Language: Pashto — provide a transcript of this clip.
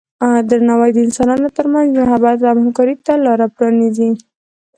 درناوی د انسانانو ترمنځ محبت او همکارۍ ته لاره پرانیزي.